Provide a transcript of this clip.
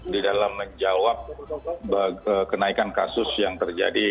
di dalam menjawab kenaikan kasus yang terjadi